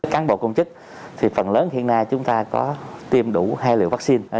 cán bộ công chức thì phần lớn hiện nay chúng ta có tiêm đủ hai liều vaccine